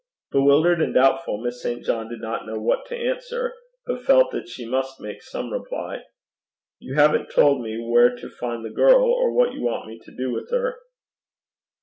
Bewildered and doubtful, Miss St. John did not know what to answer, but felt that she must make some reply. 'You haven't told me where to find the girl, or what you want me to do with her.'